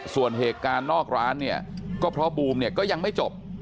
ส่วนเหตุการณ์นอกร้านเนี่ยก็เพราะบูมเนี่ยก็ยังไม่จบ